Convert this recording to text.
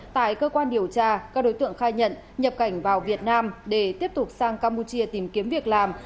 tại cơ quan điều tra các đối tượng khai nhận nhập cảnh vào việt nam để tiếp tục sang campuchia tìm kiếm việc làm